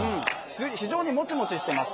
非常にもちもちしています。